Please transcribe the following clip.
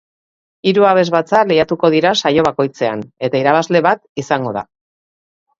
Hiru abesbatza lehiatuko dira saio bakoitzean, eta irabazle bat izango da.